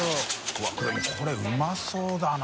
Δこれうまそうだな。